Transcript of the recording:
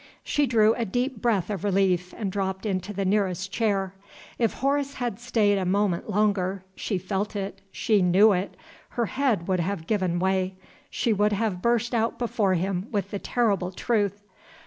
She drew a deep breath of relief, and dropped into the nearest chair. If Horace had stayed a moment longer she felt it, she knew it her head would have given way; she would have burst out before him with the terrible truth.